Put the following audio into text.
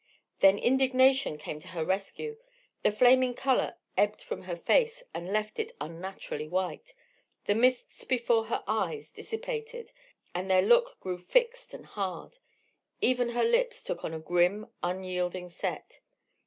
Then indignation came to her rescue, the flaming colour ebbed from her face and left it unnaturally white, the mists before her eyes dissipated and their look grew fixed and hard, even her lips took on a grim, unyielding set.